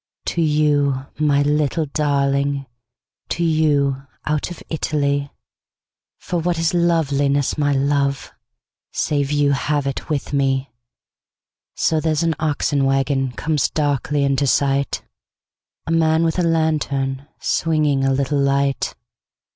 To you, my little darling, To you, out of Italy.For what is loveliness, my love, Save you have it with me! So, there's an oxen wagonComes darkly into sight:A man with a lantern, swingingA little light.